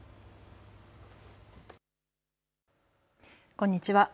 こんにちは。